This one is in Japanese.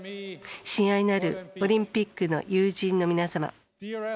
親愛なるオリンピックの友人の皆様